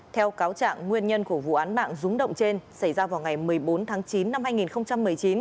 theo cáo trạng nguyên nhân của vụ án mạng rúng động trên xảy ra vào ngày một mươi bốn tháng chín năm hai nghìn một mươi chín